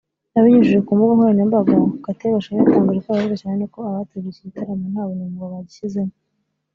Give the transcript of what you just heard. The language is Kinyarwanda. Abinyujije ku mbuga nkoranyambaga Kate Bashabe yatangaje ko yababajwe cyane nuko abateguye iki gitaramo nta bunyamwuga bashyizemo